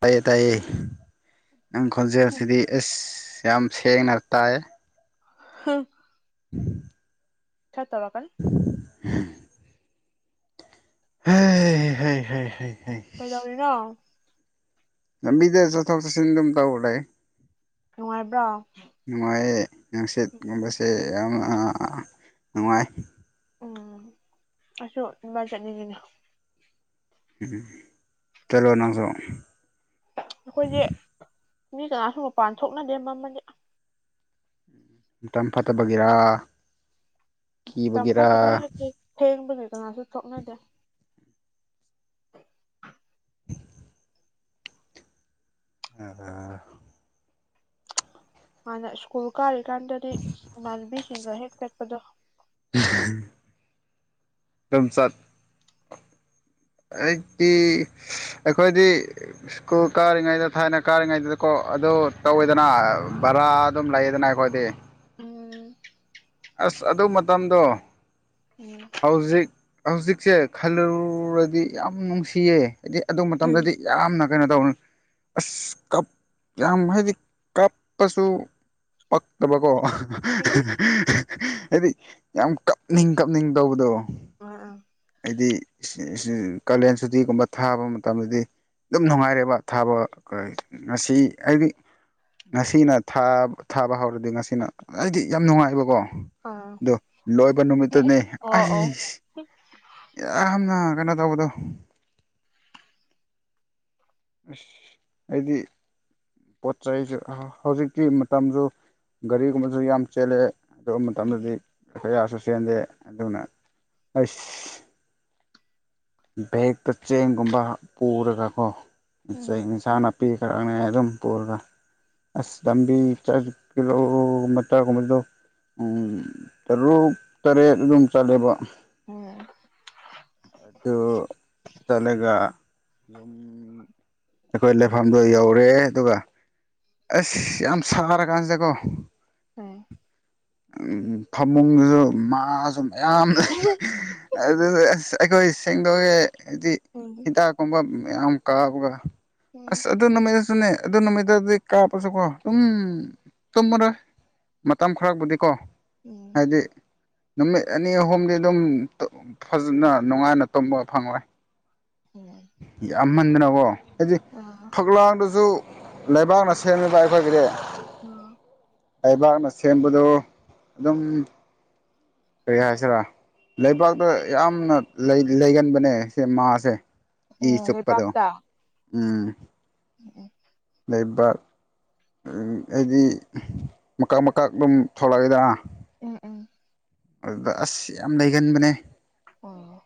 ꯇꯥꯏꯌꯦ ꯇꯥꯏꯌꯦ ꯅꯪ ꯎꯝ ꯈꯣꯟꯖꯦꯜꯁꯤꯗꯤ ꯑꯁ ꯌꯥꯝ ꯁꯦꯡꯅꯔꯇꯥ ꯍꯝ [inaudible] [unintelligible] ꯈ ꯇꯧꯔꯒ ꯍ [unintelligible] [inaudible] [unintelligible] [inaudible] ꯍꯣꯏꯗꯅꯤꯔ ꯂꯝꯕꯤꯗ ꯆꯠꯊꯣꯛ ꯆꯠꯁꯤꯟ ꯑꯗꯨꯝ ꯇꯧꯔꯦ ꯅꯨꯡꯉꯥꯏꯕ꯭ꯔꯥ ꯡꯁꯤꯦꯠꯀꯨꯝꯕꯁꯦ ꯌꯥꯝꯅ ꯅꯨꯡꯉꯥꯏ ꯎꯝ ꯑꯁꯣ ꯏꯃꯖꯠꯅꯤꯗꯅ ꯝ ꯆꯂꯣꯅꯁꯨ ꯑꯩꯈꯣꯏꯁꯦ ꯃꯤ ꯀꯅꯥꯁꯨ ꯃꯄꯥꯟ ꯊꯣꯛꯅꯗꯦ ꯃꯃꯜꯗꯤ ꯃꯇꯝ ꯐꯠꯇꯕꯒꯤꯔꯥ ꯇꯝ ꯀꯤꯕꯒꯤꯔꯥ ꯐꯠꯇ ꯊꯦꯡꯒꯦ ꯀꯅꯥꯁꯨ ꯊꯣꯛꯅꯗꯦ ꯑ [unintelligible] [inaudible] ꯍꯥꯟꯅ ꯁ꯭ꯀꯨꯜ ꯀꯥꯔꯤꯀꯥꯟꯗꯗꯤ ꯏꯃꯥꯟꯕꯤꯁꯤꯡꯗꯣ ꯍꯦꯛ ꯆꯠꯄꯗꯣ [unintelligible] [inaudible] ꯀꯝꯆꯠ ꯑꯩꯗꯤ ꯑꯩꯈꯣꯏꯗꯤ ꯁ꯭ꯀꯨꯜ ꯀꯥꯔꯤꯉꯩꯗ ꯊꯥꯏꯅ ꯀꯥꯔꯤꯉꯩꯗꯨꯗꯀꯣ ꯑꯗꯣ ꯇꯧꯋꯦꯗꯅ ꯕꯔꯥ ꯑꯗꯨꯝ ꯂꯩꯑꯦꯗꯅ ꯑꯩꯈꯣꯏꯗꯤ ꯎꯝ ꯑꯁ ꯑꯗꯨ ꯃꯇꯝꯗꯣ ꯎꯝ ꯍꯧꯖꯤꯛ ꯍꯧꯖꯤꯛꯁꯦ ꯈꯜꯂꯨꯔꯗꯤ ꯌꯥꯝ ꯅꯨꯡꯁꯤꯌꯦ ꯍꯥꯏꯗꯤ ꯑꯗꯨ ꯃꯇꯝꯗꯗꯤ ꯌꯥꯝꯅ ꯀꯩꯅꯣ ꯇꯧꯅ ꯑꯁ ꯀꯞ ꯌꯥꯝ ꯍꯥꯏꯗꯤ ꯀꯞꯄꯁꯨ ꯄꯛꯇꯕꯀꯣ [unintelligible] ꯍꯥꯏꯗꯤ ꯌꯥꯝ ꯀꯞꯅꯤꯡ ꯀꯞꯅꯤꯡ ꯇꯧꯕꯗꯣ ꯑ ꯑ ꯑꯥꯏꯗꯤ ꯏꯁꯤ ꯏꯁꯤ ꯀꯥꯂꯦꯟ ꯁꯨꯇꯤꯒꯨꯝꯕ ꯊꯥꯕ ꯃꯇꯝꯗꯗꯤ ꯗꯨꯝ ꯅꯨꯡꯉꯥꯏꯔꯦꯕ ꯊꯥꯕ ꯀ ꯉꯁꯤ ꯍꯥꯏꯗꯤ ꯉꯁꯤꯅ ꯊꯥ ꯊꯥꯕ ꯍꯧꯔꯗꯤ ꯉꯁꯤꯅ ꯍꯥꯏꯗꯤ ꯌꯥꯝ ꯅꯨꯡꯉꯥꯏꯕꯀꯣ ꯑꯥ ꯗꯣ ꯂꯣꯏꯕ ꯅꯨꯃꯤꯠꯇꯨꯅꯦ ꯑꯣ ꯑꯣ ꯑꯥꯏꯆ ꯌꯥꯝꯅ ꯀꯅꯣ ꯇꯧꯕꯗꯣ ꯑꯁ ꯍꯥꯏꯗꯤ ꯄꯣꯠ ꯆꯩꯖꯨ ꯑ ꯍꯧꯖꯤꯛꯇꯤ ꯃꯇꯝꯖꯨ ꯒꯥꯔꯤꯒꯨꯝꯕꯖꯨ ꯌꯥꯝ ꯆꯦꯜꯂꯦ ꯑꯗꯨ ꯎꯝ ꯃꯇꯝꯗꯗꯤ ꯑꯦꯐ ꯑꯥꯏ ꯑꯥꯔꯁꯨ ꯆꯦꯟꯗꯦ ꯑꯗꯨꯅ ꯑꯩꯁ ꯕꯦꯛꯇ ꯆꯦꯡꯒꯨꯝꯕ ꯄꯨꯔꯒꯀꯣ ꯎꯝ ꯆꯦꯡ ꯏꯟꯁꯥꯡꯅ ꯄꯤꯈ꯭ꯔꯛꯅꯤ ꯑꯗꯨꯝ ꯄꯨꯔꯒ ꯑꯁ ꯂꯝꯕꯤ ꯆ ꯀꯤꯂꯣꯃꯇꯔ ꯒꯨꯝꯕꯗꯣ ꯎꯝ ꯇꯔꯨꯛ ꯇꯔꯦꯠ ꯑꯗꯨꯝ ꯆꯠꯂꯦꯕ ꯎꯝ ꯑꯗꯨ ꯆꯠꯂꯒ ꯌꯨꯝ ꯑꯩꯈꯣꯏ ꯂꯩꯐꯝꯗꯣ ꯌꯧꯔꯦ ꯑꯗꯨꯒ ꯑꯁ ꯌꯥꯝ ꯁꯥꯔ ꯀꯥꯟꯁꯤꯗꯀꯣ ꯎꯝ ꯎꯝ ꯐꯃꯨꯡꯗꯨꯁꯨ ꯃꯥꯁꯨ ꯃꯌꯥꯝ ꯂꯩ ꯑꯗꯨ ꯑꯁ ꯑꯩꯈꯣꯏ ꯁꯦꯡꯗꯣꯛꯑꯦ ꯍꯥꯏꯗꯤ ꯎꯝ ꯎꯝ ꯍꯤꯗꯥꯛꯀꯨꯝꯕ ꯃꯌꯥꯝ ꯀꯥꯞꯄꯒ ꯎꯝ ꯑꯁ ꯑꯗꯨ ꯅ ꯃꯦꯁ ꯗꯨꯅꯦ ꯑꯗꯨ ꯅꯨꯃꯤꯠꯇꯗꯤ ꯀꯥꯞꯄꯁꯨꯀꯣ ꯑꯗꯨꯝ ꯇꯨꯝꯃꯔꯣꯏ ꯃꯇꯝ ꯈꯔꯕꯨꯗꯤꯀꯣ ꯎꯝ ꯍꯥꯏꯗꯤ ꯅꯨꯃꯤꯠ ꯑꯅꯤ ꯑꯍꯨꯝꯗꯤ ꯗꯨꯝ ꯇꯨꯞ ꯐꯖꯅ ꯅꯨꯡꯉꯥꯏꯅ ꯇꯨꯝꯕ ꯐꯪꯉꯣꯏ ꯌꯥꯝꯃꯟꯗꯅꯀꯣ ꯍꯥꯏꯗꯤ ꯐꯛꯂꯥꯡꯗꯖꯨ ꯂꯩꯕꯥꯛꯅ ꯁꯦꯝꯃꯦꯕ ꯑꯩꯈꯣꯏꯒꯤꯗꯤ ꯎꯝ ꯂꯩꯕꯥꯛꯅ ꯁꯦꯝꯕꯗꯨ ꯑꯗꯨꯝ ꯀꯔꯤ ꯍꯥꯏꯁꯤꯔꯥ ꯂꯩꯕꯥꯛꯇ ꯌꯥꯝꯅ ꯂꯩ ꯂꯩꯒꯟꯕꯅꯦ ꯁꯦ ꯃꯥꯁꯦ ꯏ ꯎꯝ ꯆꯨꯞꯄꯗꯣ ꯂꯩꯕꯥꯛꯇ ꯎꯝ ꯎꯝ ꯂꯩꯕꯥꯛ ꯑ ꯑꯩꯗꯤ ꯃꯀꯛ ꯃꯀꯛ ꯗꯨꯝ ꯊꯣꯛꯂꯩꯗꯅ ꯎꯝ ꯎꯝ ꯑꯗꯨꯗ ꯑꯁ ꯌꯥꯝ ꯂꯩꯒꯟꯕꯅꯦ ꯑꯣ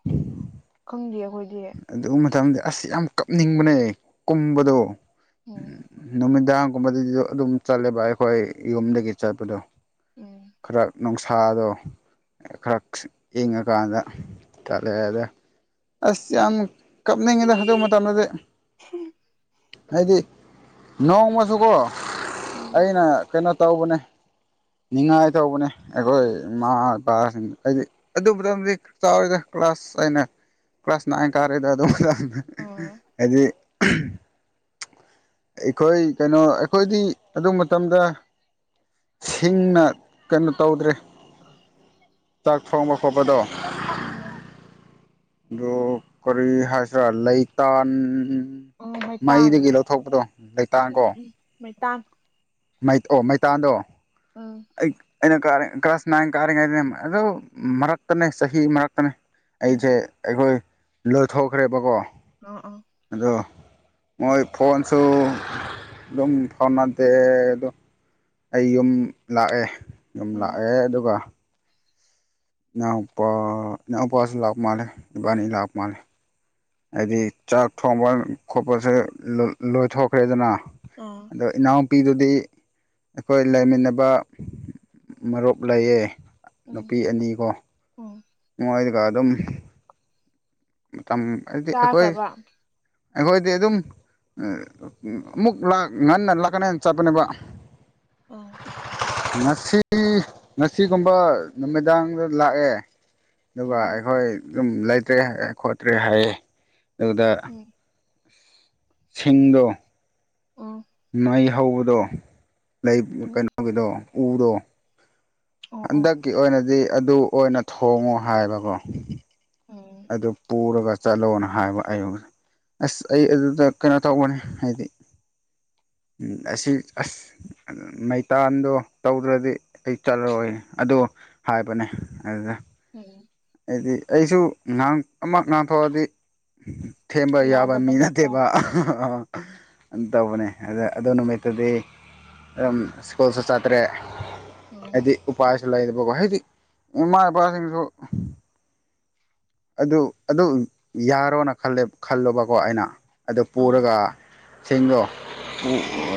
ꯈꯪꯗꯤꯌꯦ ꯑꯗꯨ ꯃꯇꯝꯗꯤ ꯑꯁ ꯌꯥꯝ ꯀꯞꯅꯤꯡꯕꯅꯦ ꯀꯨꯝꯕꯗꯣ ꯎꯝ [unintelligible] ꯗꯥꯡꯒꯨꯝꯕꯗꯗꯤ ꯑꯗꯨꯝ ꯆꯠꯂꯦꯕ ꯑꯩꯈꯣꯏ ꯌꯨꯝꯗꯒꯤ ꯆꯠꯄꯗꯣ ꯎꯝ ꯈꯔ ꯅꯨꯡꯁꯥꯗꯣ ꯈꯔꯛ ꯏꯪꯉꯀꯥꯟꯗ ꯆꯠꯂꯦ ꯑꯗ ꯑꯁ ꯌꯥꯝ ꯀꯞꯅꯤꯡꯉꯤꯗ ꯑꯗꯨ ꯃꯇꯝꯗꯗꯤ ꯈꯝ ꯍꯥꯏꯗꯤ ꯅꯣꯡꯃꯁꯨꯀꯣ ꯎꯝ ꯑꯩꯅ ꯀꯩꯅꯣ ꯇꯧꯕꯅꯦ ꯅꯤꯉꯥꯏ ꯇꯧꯕꯅꯦ ꯑꯩꯈꯣꯏ ꯏꯃꯥ ꯏꯄꯥꯁꯤꯡꯗ ꯑꯩꯗꯤ ꯑꯗꯨꯕꯗꯝꯗꯗꯤ ꯆꯥꯎꯔꯦꯗ ꯀ꯭ꯂꯥꯁ ꯑꯥꯏꯅꯥ ꯀ꯭ꯂꯥꯁ ꯅꯥꯏꯟ ꯀꯥꯔꯦꯗ ꯑꯗꯨꯃꯦ ꯎꯝ ꯍꯥꯏꯗꯤ ꯑꯩꯈꯣꯏ ꯀꯩꯅꯣ ꯑꯩꯈꯣꯏꯗꯤ ꯑꯗꯨ ꯃꯇꯝꯗ ꯁꯤꯡꯅ ꯀꯩꯅꯣ ꯇꯧꯗ꯭ꯔꯦ ꯑ ꯆꯥꯛ ꯊꯣꯡꯕ ꯈꯣꯠꯄꯗꯣ ꯎꯝ ꯑꯗꯨ ꯀꯔꯤ ꯍꯥꯏꯁꯤ꯭ꯔꯥ ꯂꯩꯇꯥꯟ ꯑ ꯃꯩꯇꯥꯟ ꯗꯣ ꯃꯩꯇꯥꯟꯀꯣ ꯃꯩꯇꯟ ꯃꯩ ꯑꯣ ꯃꯩꯇꯥꯟꯗꯣ ꯑꯥ ꯑꯩ ꯑꯩꯅ ꯀꯥ ꯀ꯭ꯂꯥꯁ ꯅꯥꯏꯟ ꯀꯥꯔꯤꯉꯩꯗꯅꯦ ꯑꯗꯣ ꯃꯔꯛꯇꯅꯦ ꯆꯍꯤ ꯃꯔꯛꯇꯅꯦ ꯎꯝ ꯑꯩꯁꯦ ꯑꯩꯈꯣꯏ ꯂꯣꯏꯊꯣꯛꯈ꯭ꯔꯦꯕꯀꯣ ꯑꯥ ꯑꯥ ꯑꯗꯣ ꯃꯣꯏ ꯐꯣꯟꯁꯨ ꯑꯗꯨꯝ ꯐꯥꯎꯅꯗꯦ ꯑꯩ ꯌꯨꯝ ꯂꯥꯛꯑꯦ ꯌꯨꯝ ꯎꯝ ꯂꯥꯛꯑꯦ ꯑꯗꯨꯒ ꯏꯅꯥꯎꯄꯥꯁꯨ ꯂꯥꯛ ꯃꯥꯜꯂꯦ ꯏꯕꯥꯅꯤ ꯂꯥꯥꯛ ꯃꯥꯜꯂꯦ ꯍꯥꯏꯗꯤ ꯆꯥꯛ ꯊꯣꯡꯕ ꯈꯣꯠꯄꯁꯦ ꯂꯣꯏꯊꯣꯛꯈ꯭ꯔꯦꯗꯅ ꯑꯥ ꯑꯗꯣ ꯏꯅꯥꯎ ꯅꯨꯄꯤꯗꯨꯗꯤ ꯑꯩꯈꯣꯏ ꯂꯩꯃꯤꯟꯅꯕ ꯃꯔꯨꯞ ꯂꯩꯌꯦ ꯎꯝ ꯅꯨꯄꯤ ꯑꯅꯤꯒꯣ ꯎꯝ ꯃꯗꯨꯀꯥ ꯑꯗꯨꯝ ꯍꯥꯏꯗꯤ ꯑꯩꯈꯣꯏ ꯆꯥꯈ꯭ꯔꯕ ꯑꯩꯈꯣꯏꯗꯤ ꯑꯗꯨꯝ ꯑꯃꯨꯛ ꯉꯟꯅ ꯂꯥꯛꯀꯅꯦꯅ ꯆꯠꯄꯅꯦꯕ ꯑ ꯉꯁꯤ ꯉꯁꯤꯒꯨꯝꯕ ꯅꯨꯃꯤꯗꯥꯡꯗ ꯂꯥꯛꯑꯦ ꯑꯗꯨꯒ ꯎꯝ ꯑꯩꯈꯣꯏ ꯑꯗꯨꯝ ꯂꯩꯇ꯭ꯔꯦ ꯈꯣꯠꯇ꯭ꯔꯦ ꯍꯥꯏꯌꯦ ꯑꯗꯨꯗ ꯎꯝ ꯗ ꯑꯣ ꯃꯩ ꯍꯧꯕꯗꯣ ꯂꯩ ꯎꯝ ꯀꯩꯅꯣꯒꯤꯗꯣ ꯎꯗꯣ ꯑꯣ ꯑꯣ ꯍꯟꯗꯛꯀꯤ ꯑꯣꯏꯅꯗꯤ ꯑꯗꯨ ꯑꯣꯏꯅ ꯊꯣꯡꯉꯨ ꯍꯥꯏꯕꯀꯣ ꯎꯝ ꯑꯗꯨ ꯄꯨꯔꯒ ꯆꯠꯂꯣꯅ ꯍꯥꯏꯕ ꯑꯌꯨꯁ ꯑꯁ ꯑꯩ ꯑꯗꯨꯗ ꯀꯩꯅꯣ ꯇꯧꯕꯅꯦ ꯍꯥꯏꯗꯤ ꯎꯝ ꯑꯁꯤ ꯑꯁ ꯃꯩꯇꯥꯟꯗꯣ ꯇꯧꯗ꯭ꯔꯗꯤ ꯑꯩ ꯆꯠꯂꯑꯣꯣꯏ ꯑ ꯍꯥꯏꯕꯅꯦ ꯑꯗꯨꯗ ꯎꯝ ꯍꯥꯏꯗꯤ ꯑꯩꯁꯨ ꯉꯥꯡ ꯑꯃꯨꯛ ꯉꯥꯡꯊꯣꯛꯑꯗꯤ ꯊꯦꯝꯕ ꯌꯥꯕ ꯃꯤ ꯌꯥꯗꯕ ꯖꯥꯠꯇꯣ ꯅꯠꯇꯦꯕ ꯎꯝ ꯑꯗꯨꯝ ꯇꯧꯕꯅꯦ ꯑ ꯑꯗꯨ ꯅꯨꯃꯤꯠꯇꯨꯗꯤ ꯑꯗꯨꯝ ꯁ꯭ꯀꯨꯜꯁꯨ ꯆꯥꯇ꯭ꯔꯦ ꯎꯝ ꯍꯥꯏꯗꯤ ꯎꯄꯥꯏꯁꯨ ꯂꯩꯕꯀꯣ ꯍꯥꯏꯗꯤ ꯏꯃꯥ ꯏꯄꯥꯁꯤꯡꯁꯨ ꯑꯗꯨ ꯑꯗꯨ ꯌꯥꯔꯣꯅ ꯈꯜꯂꯣꯕꯀꯣ ꯑꯩꯅ ꯑꯗꯨ ꯑꯥ ꯄꯨꯔꯒ ꯁꯤꯒꯣ ꯑꯥ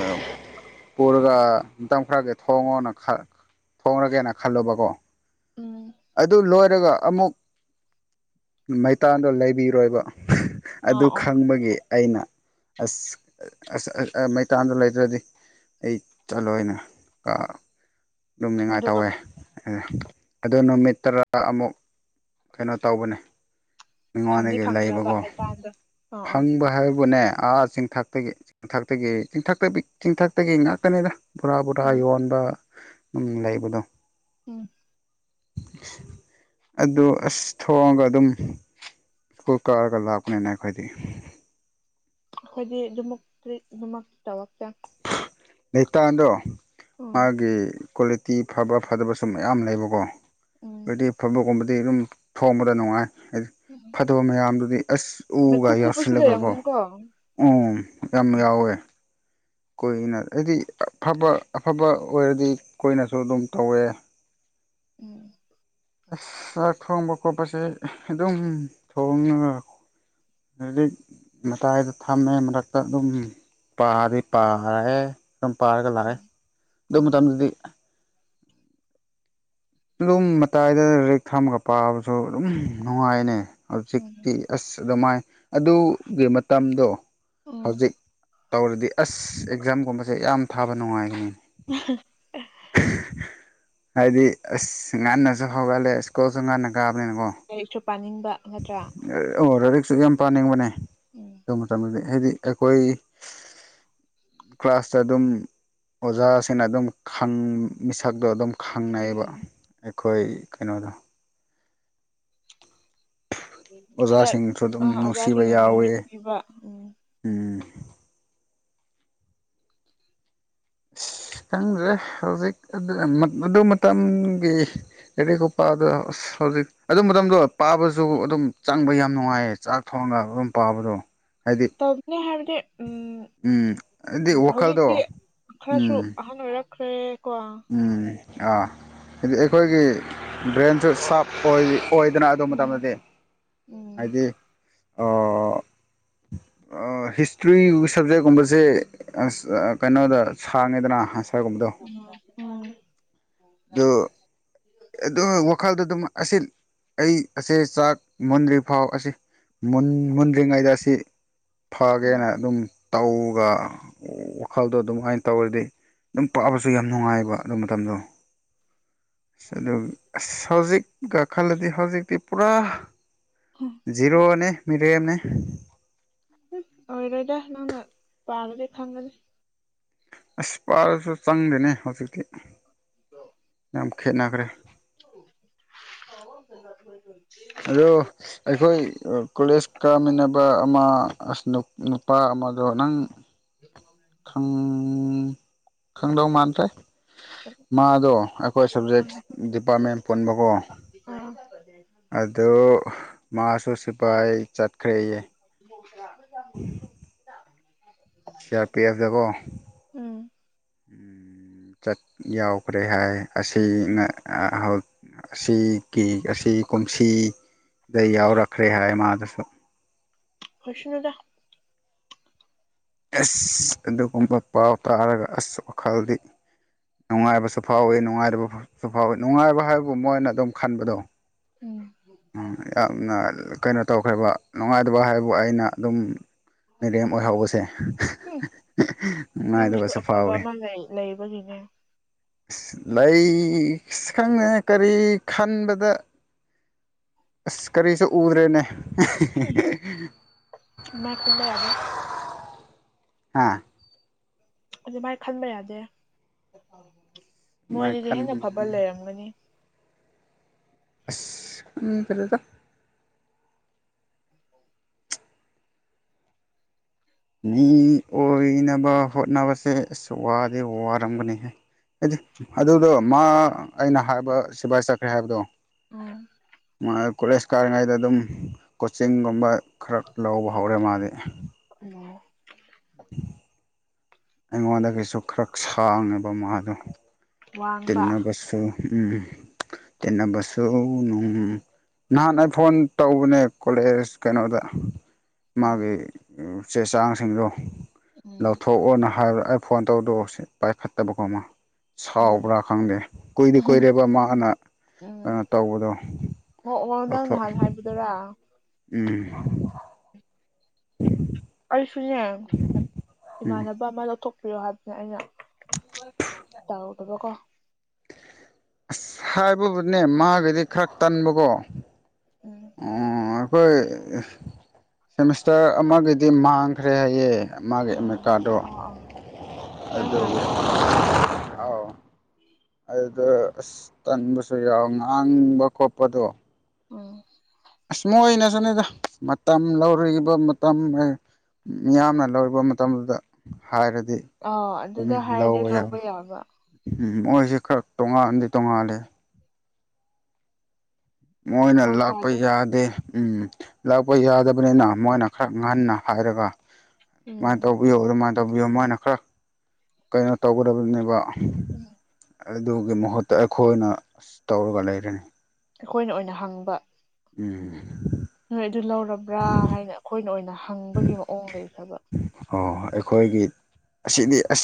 ꯀꯔꯒ ꯃꯇꯝ ꯈꯔꯒꯤ ꯊꯣꯡꯉꯣꯅ ꯊꯣꯡꯡꯂꯒꯦꯅ ꯈꯜꯂꯨꯕꯀꯣ ꯎꯝ ꯑꯗꯨ ꯂꯣꯏꯔꯒ ꯑꯃꯨꯛ ꯃꯩꯇꯥꯟꯜꯗꯣ ꯂꯩꯕꯤꯔꯣꯏꯕ ꯑꯗꯨ ꯑꯥ ꯑꯣ ꯈꯪꯕꯒꯤ ꯑꯩꯅ ꯑꯁ ꯑꯁ ꯑ ꯃꯩꯇꯥꯟꯗ ꯂꯩꯗ꯭ꯔꯗꯤ ꯑꯩ ꯆꯥꯂꯣꯏꯅ ꯂꯨꯝꯅꯤꯡꯉꯥꯏ ꯑꯗꯨꯒ ꯇꯧꯋꯦ ꯑꯗ ꯅꯨꯃꯤꯠ ꯇꯔꯥ ꯑꯃꯨꯛ ꯀꯩꯅꯣ ꯇꯧꯕꯅꯦ ꯐꯪꯗꯤ ꯃꯤꯉꯣꯟꯗꯒꯤ ꯐꯪꯕ꯭ꯔꯕ ꯂꯩꯕꯀꯣ ꯃꯩꯇꯥꯟꯗꯣ ꯑꯥ ꯑꯥ ꯐꯪꯕ ꯍꯥꯏꯕꯨꯅꯦ ꯑꯥ ꯆꯤꯡꯊꯥꯛꯇꯒꯤ ꯆꯊꯥꯛꯇꯒꯤ ꯆꯊꯥꯛꯇ ꯆꯤꯡꯊꯥꯛꯇꯒꯤ ꯉꯥꯛꯇꯅꯤꯗ ꯄꯨꯔꯥ ꯄꯨꯔꯥ ꯎꯝ ꯌꯣꯟꯕ ꯎ ꯂꯩꯕꯗꯣ ꯎꯝ ꯑꯗꯨꯗ ꯑꯁ ꯊꯣꯡꯉꯒ ꯑꯗꯨꯝꯀꯨ ꯀꯥꯔꯒ ꯂꯥꯛꯄꯅꯤꯅ ꯑꯩꯈꯣꯏꯗꯤ ꯑꯩꯈꯣꯏꯗꯤ ꯑꯗꯨꯃꯛ ꯇꯔꯤ ꯑꯗꯨꯃꯛ ꯇꯧ ꯂꯩꯇꯥꯗꯣ ꯎꯝ ꯃꯥꯒꯤ ꯀ꯭ꯋꯥꯂꯤꯇꯤ ꯐꯕ ꯐꯗꯕꯁꯨ ꯃꯌꯥꯝ ꯂꯩꯕꯀꯣ ꯎꯝ ꯀ꯭ꯋꯥꯂꯤꯇꯤ ꯐꯕꯒꯨꯝꯕꯗ ꯑꯩ ꯑꯗꯨꯝ ꯊꯣꯡꯕꯗ ꯅꯨꯡꯉꯥꯏ ꯍꯥꯏꯗꯤ ꯎꯝ ꯐꯠꯇꯕ ꯃꯌꯥꯝꯗꯨꯗꯤ ꯑꯁ ꯎꯒ ꯃꯩꯈꯨ ꯈꯨꯕꯁꯨ ꯌꯥꯎꯁꯤꯜꯂꯒꯀꯣ ꯂꯩꯔꯝꯒꯅꯤꯀꯣ ꯎꯝ ꯌꯥꯝ ꯎꯝ ꯌꯥꯎꯋꯦ ꯀꯨꯏꯅ ꯍꯥꯏꯗꯤ ꯑꯐꯕ ꯑꯐꯕ ꯑꯣꯏꯔꯗꯤ ꯀꯣꯏꯅꯁꯨ ꯑꯗꯨꯝ ꯇꯧꯋꯦ ꯎꯝ ꯑꯁ ꯆꯥꯛ ꯊꯣꯡꯕ ꯈꯣꯠꯄꯁꯦ ꯑꯗꯨꯝ ꯊꯣꯡꯉ ꯔ ꯃꯇꯥꯏꯗ ꯊꯥꯝꯃꯦ ꯃꯛꯇꯛꯇ ꯑꯗꯨꯝ ꯄꯥꯔꯗꯤ ꯄꯥꯔꯦ ꯑꯗꯨꯝ ꯄꯥꯔꯒ ꯎꯝ ꯂꯥꯛꯑꯦ ꯑꯗꯨ ꯑꯥ ꯃꯇꯝꯗꯗꯤ ꯑꯗꯨꯝ ꯃꯇꯥꯏꯗ ꯔꯦꯛ ꯊꯝꯃꯒ ꯄꯥꯕꯁꯨ ꯑꯗꯨꯝ ꯅꯨꯡꯉꯥꯏꯅꯦ ꯎꯝ ꯍꯧꯖꯤꯛꯇꯤ ꯑꯁ ꯑꯗꯨꯃꯥꯏ ꯑꯗꯨꯒꯤ ꯃꯇꯝꯗꯣ ꯎ ꯍꯧꯖꯤꯛ ꯇꯧꯔꯗꯤ ꯑꯁ ꯑꯦꯛꯖꯥꯝꯒꯨꯝꯕꯁꯦ ꯌꯥꯝ ꯊꯥꯕ ꯅꯨꯡꯉꯥꯏꯕꯅꯤ [unintelligible] ꯍꯥꯏꯗꯤ ꯑꯁ ꯉꯥꯟꯁꯨ ꯍꯒꯂꯦ ꯑꯁ ꯀꯣꯁꯨ ꯉꯥꯟ ꯕꯅꯦ ꯅꯣ ꯂꯥꯏꯔꯤꯛꯁꯨ ꯄꯥꯅꯤꯡꯕ ꯅꯠꯇ꯭ꯔꯥ ꯑꯁꯨꯛ ꯌꯥꯝ ꯄꯥꯅꯤꯡꯕꯅꯦ ꯎꯝ ꯑꯗꯨ ꯃꯇꯝꯗꯗꯤ ꯍꯥꯏꯗꯤ ꯑꯩꯈꯣꯏ ꯀ꯭ꯂꯥꯁꯇ ꯑꯗꯨꯝ ꯑꯣꯖꯥꯁꯤꯡꯅ ꯑꯗꯨꯝ ꯈꯪ ꯃꯤꯁꯛꯇꯣ ꯑꯗꯨꯝ ꯈꯪꯅꯩꯕ ꯎꯝ ꯑꯩꯈꯣꯏ ꯀꯩꯅꯣꯗ ꯈꯔ ꯑꯣꯖꯥꯁꯤꯡꯁꯨ ꯑ ꯑꯗꯨꯝ ꯅꯨꯡꯁꯤꯕ ꯑꯣꯖꯥꯁꯤꯡꯅ ꯌꯥꯎꯋꯦ ꯅꯨꯡꯁꯤꯕ ꯎꯝ ꯎꯝ [unintelligible] ꯑꯁ ꯈꯪꯗ꯭ꯔꯦ ꯍꯧꯖꯤꯛ ꯑꯗꯨ ꯃꯇꯝꯒꯤ ꯔꯦꯗꯤ ꯀꯣꯄꯗꯣ ꯑ ꯍꯧꯖꯤꯛ ꯑꯗꯨ ꯃꯇꯝꯗꯣ ꯄꯥꯕꯁꯨ ꯑꯗꯨꯝ ꯆꯪꯕ ꯌꯥꯝ ꯅꯨꯡꯉꯥꯏꯌꯦ ꯆꯥꯛ ꯊꯣꯡꯒ ꯑꯗꯨꯝ ꯄꯥꯕꯗꯣ ꯍꯥꯏꯗꯤ ꯇꯝꯅꯤ ꯍꯥꯏꯅ ꯎꯝ ꯎꯝ ꯍꯥꯏꯗꯤ ꯋꯥꯈꯜꯗꯣ ꯍꯧꯖꯤꯛꯇꯤ ꯈꯔꯁꯨ ꯎꯝ ꯑꯍꯟ ꯑꯣꯏꯔꯛꯈ꯭ꯔꯦ ꯀꯣ ꯎꯝ ꯑꯥ ꯍꯥꯏꯗꯤ ꯑꯩꯈꯣꯏꯒꯤ ꯕ꯭ꯔꯦꯟꯁꯨ ꯁꯥꯔꯞ ꯑꯣꯏ ꯑꯣꯏꯗꯅ ꯑꯗꯨ ꯎꯝ ꯃꯇꯝꯗꯗꯤ ꯎꯝ ꯍꯥꯏꯗꯤ ꯑ ꯍꯤꯁꯇ꯭ꯔꯤ ꯁꯕꯖꯦꯛꯀꯨꯝꯕꯁꯦ ꯑꯁ ꯀꯩꯅꯣꯗ ꯁꯥꯡꯉꯦꯗꯅ ꯎꯝ ꯑꯗꯨꯗꯣ ꯑꯗꯨ ꯑꯗꯨ ꯋꯥꯈꯥꯜꯗ ꯑꯗꯨꯃꯛ ꯑꯁꯤ ꯑꯩ ꯑꯁꯦ ꯆꯥꯛ ꯃꯨꯟꯗ꯭ꯔꯤ ꯐꯥꯎ ꯑꯁꯤ ꯟ ꯃꯨꯟ꯭ꯔꯤꯉꯩꯗ ꯑꯁꯤ ꯐꯒꯦꯅ ꯑꯗꯨꯝ ꯇꯧꯒ ꯋꯥꯈꯜꯗꯣ ꯑꯗꯨꯃꯥꯏꯅ ꯇꯧꯔꯗꯤ ꯑꯗꯨꯝ ꯄꯥꯕꯁꯨ ꯌꯥꯝ ꯅꯨꯡꯉꯥꯏꯕ ꯑꯗꯨ ꯃꯇꯝꯗꯣ ꯑꯗꯨ ꯁꯖꯤꯛ ꯒꯈꯂꯗꯤ ꯁꯖꯤꯛꯇ ꯄꯨꯥ ꯖꯤꯔꯣꯅꯦ ꯃꯤꯗꯤꯌꯝꯅꯦ ꯎꯝ ꯑꯣꯔꯔ ꯍꯥꯏꯅꯅ ꯄꯥꯔꯔ ꯈꯥꯡꯒꯗꯤ ꯑꯁ ꯄꯥꯔꯁꯨ ꯆꯪꯗꯦꯅꯦ ꯍꯧꯖꯤꯛꯇꯤ ꯌꯥꯝ ꯈꯦꯠ ꯅꯈꯔ ꯑꯗꯣ ꯑꯩꯈꯣꯏ ꯀꯣꯂꯦꯖ ꯀꯥꯃꯤꯟꯅꯕ ꯑꯃ ꯑ ꯅꯨꯄꯥ ꯑꯃ ꯑꯣ ꯅꯅꯪ ꯈꯪ ꯈꯪꯗꯧ ꯃꯇ ꯃꯥꯗꯣ ꯑꯩꯈꯣꯏ ꯁꯕꯖꯦꯛ ꯗꯤꯄꯥꯔꯠꯃꯦꯟ ꯄꯨꯟꯕꯀꯣ ꯑ ꯃꯥꯁꯨ ꯁꯤꯐꯥꯏ ꯆꯠꯈ꯭ꯔꯦꯌꯦ ꯃ꯭ꯔꯥ ꯁꯤꯌꯥꯔ ꯄꯤ ꯑꯦꯐꯗꯀꯣ ꯎꯝ ꯎ ꯆꯠ ꯌꯥꯎꯈ꯭ꯔꯦ ꯍꯥꯏ ꯎꯝ ꯑꯁꯤꯅ ꯑꯁꯤ ꯀꯦꯛ ꯑꯁꯤ ꯀꯨꯝꯁꯤ ꯗꯗꯩ ꯌꯥꯎꯔꯛꯈ꯭ꯔꯦ ꯍꯥꯏ ꯃꯥꯗꯨꯁꯨ ꯍꯣꯏ ꯁꯅꯨꯗ ꯑꯁ ꯑꯗꯨꯒꯨꯝꯕ ꯄꯥꯎ ꯇꯥꯔꯒ ꯑꯁ ꯋꯥꯈꯜꯗꯤ ꯅꯨꯡꯉꯥꯏꯕꯁꯨ ꯁꯨꯐꯥꯎꯋꯤ ꯅꯨꯡꯉꯥꯏꯕ ꯁꯨꯐꯥꯎꯋꯤ ꯅꯨꯡꯉꯥꯏꯕ ꯍꯥꯏꯕꯕꯨ ꯃꯣꯏꯅ ꯑꯗꯨꯝ ꯈꯟꯕꯗꯣ ꯎꯝ ꯇꯧꯈ꯭ꯔꯕ ꯅꯨꯡꯉꯥꯏꯇꯕ ꯍꯥꯏꯕꯨ ꯑꯩꯅ ꯑꯗꯨꯝ ꯃꯦꯔꯦꯝ ꯑꯣꯏꯍꯧꯕꯁꯦ ꯉꯗ ꯅꯪꯒꯤꯁꯨ ꯀꯁ ꯑꯐꯕ ꯐꯥꯎꯦ ꯑꯃ ꯂꯩ ꯂꯩꯕꯒꯤꯅꯦ ꯂꯩ ꯈꯪꯉꯦ ꯀꯔꯤ ꯈꯟꯕꯗ ꯑꯁ ꯀꯔꯤꯁꯨ ꯎꯗ꯭ꯔꯦꯅꯦ ꯎꯝ [unintelligible] ꯃꯥꯏ ꯈꯟꯕ ꯌꯥꯗꯦ ꯍꯥꯥ ꯑꯗꯨ ꯃꯥꯏ ꯈꯟꯕ ꯌꯥꯗꯦ ꯑꯗꯨꯃꯥꯏꯅ ꯃꯣꯏꯗꯤꯗꯤ ꯈꯟ ꯍꯦꯟꯅ ꯐꯕ ꯂꯩꯔꯝꯒꯅꯤ ꯏꯔꯗ ꯃꯤ ꯑꯣꯏꯅꯕ ꯍꯣꯠꯅꯕꯁꯦ ꯑꯁ ꯋꯥꯗꯤ ꯋꯥꯔꯝꯒꯅꯤ ꯗꯤ ꯑꯗꯨꯗꯣ ꯃꯥ ꯑꯩꯅ ꯍꯥꯏꯕ ꯁꯤꯕꯥꯥꯏ ꯆꯠꯈ꯭ꯔꯦ ꯍꯥꯏꯕꯗꯣ ꯎ ꯃꯥ ꯀꯣꯂꯦꯖ ꯀꯥꯔꯤꯉꯩꯗ ꯑꯗꯨꯝ ꯀꯣꯆꯤꯡꯒꯨꯝꯕ ꯈꯔ ꯂꯧꯕ ꯍꯧꯔꯦ ꯃꯥꯗꯤ ꯑꯗꯨ ꯑꯩꯉꯣꯟꯗꯒꯤꯁꯨ ꯈꯔ ꯁꯥꯡꯉꯦꯕ ꯃꯥꯗꯣ ꯋꯥꯡꯕ ꯇꯤꯟꯅꯕꯁꯨ ꯎꯝ ꯇꯅꯕꯁꯣꯅ ꯅꯍꯥꯟ ꯑꯩ ꯐꯣꯟ ꯇꯧꯕꯅꯦ ꯀꯣꯂꯦꯖ ꯀꯩꯅꯣꯗ ꯃꯥꯒꯤ ꯎꯝ ꯆꯦ ꯆꯥꯡꯁꯤꯡꯗꯣ ꯎꯝ ꯂꯧꯊꯣꯛꯑꯣꯅ ꯍꯥꯏꯕ ꯑꯩ ꯐꯣꯟ ꯇꯧꯗꯣ ꯁꯤ ꯄꯥꯏꯈꯠꯇꯕꯀꯣ ꯃꯥ ꯎꯝ ꯀꯥꯎꯕ꯭ꯔꯥ ꯈꯪꯗꯦ ꯀꯨꯏꯗꯤ ꯎꯝ ꯀꯨꯏꯔꯦꯕ ꯃꯥꯅ ꯎꯝ ꯀꯩꯅꯣ ꯇꯧꯕꯗꯣ ꯑꯣ ꯉ ꯅꯥꯡ ꯂꯧꯊꯣꯛ ꯅꯍꯥꯟ ꯍꯥꯏꯕꯗꯨꯔꯥ ꯎꯝ ꯎꯝ ꯁꯨꯅꯦ ꯏꯃꯥꯟꯅꯕ ꯑꯃ ꯂꯧꯊꯣꯛ ꯄꯣ ꯍꯥꯏꯅꯦ ꯑꯩꯅ ꯇꯗꯕꯀꯣ ꯑꯁ ꯍꯥꯏꯕꯕꯨꯅꯦ ꯃꯥꯒꯗꯤ ꯈꯔ ꯇꯟꯕꯀꯣ ꯎꯝ ꯑꯣ ꯑꯩꯈꯣꯏ ꯁꯦꯃꯤꯁꯇꯔ ꯑꯃꯒꯤꯗꯤ ꯃꯥꯡꯈ꯭ꯔꯦ ꯍꯥꯏꯌꯦ ꯃꯥꯒꯤ ꯑꯣ ꯑꯦꯃꯤꯠ ꯀꯥꯔꯗꯣ ꯑꯣ ꯑꯣ ꯁꯣꯏꯃ ꯂ ꯑꯗꯨꯒꯤ ꯍꯥ ꯄ ꯑꯥꯎ ꯑꯗꯨꯗ ꯑꯁ ꯇꯟꯕꯁꯨ ꯌꯥꯎ ꯉꯥꯡꯕ ꯈꯣꯠꯄꯗꯣ ꯎꯝ ꯑꯁ ꯃꯣꯏ ꯅ ꯆꯠꯅꯤꯗ ꯃꯇꯝ ꯂꯧꯔꯔꯤꯕ ꯃꯇꯝ ꯃꯤꯌꯥꯝꯅ ꯂꯧꯔꯤꯕ ꯃꯇꯝꯗꯨꯗ ꯍꯥꯏꯔꯗꯤ ꯑꯥ ꯑꯗꯨꯝ ꯑꯗꯨꯗ ꯍꯥꯏꯔꯗꯤ ꯂꯧꯕ ꯌꯥꯕ ꯎꯝ ꯃꯣꯏꯁꯤꯦ ꯈꯔ ꯇꯣꯡꯉꯥꯟꯗꯤ ꯇꯣꯡꯉꯥꯂꯦ ꯃꯣꯏꯅ ꯂꯥꯛꯄ ꯊꯧꯁꯥꯗꯦ ꯌꯥꯗꯦ ꯎꯝ ꯂꯥꯛꯄ ꯌꯥꯗꯕꯅꯤꯅ ꯃꯣꯏꯅ ꯈꯔ ꯉꯟꯅ ꯍꯥꯏꯔꯒ ꯑꯗꯨꯃꯥꯏꯅ ꯎꯝ ꯇꯧꯕꯤꯌꯣ ꯑꯗꯨꯃꯥꯏꯅ ꯇꯧꯕꯤꯌꯣ ꯃꯣꯏꯅ ꯈꯔ ꯀꯩꯅꯣ ꯇꯧꯒꯗꯕꯅꯦꯕ ꯑꯗꯨꯒꯤ ꯃꯍꯨꯠꯇ ꯑꯩꯈꯣꯏꯅ ꯑ ꯇꯧꯔꯒ ꯂꯩꯔꯅꯤ ꯑꯩꯈꯣꯏꯅ ꯑꯣꯏꯅ ꯍꯪꯕ ꯎꯝ ꯅꯣꯏ ꯑꯗꯨ ꯂꯧꯔꯕ꯭ꯔꯥ ꯍꯥꯏꯅ ꯑꯩꯈꯣꯏꯅ ꯑꯣꯏꯅ ꯍꯪꯕꯒꯤ ꯃꯑꯣꯡ ꯂꯩꯈ꯭ꯔꯕ ꯑꯣ ꯑꯩꯈꯣꯏꯒꯤ ꯑꯁꯤꯗꯤ ꯑꯁ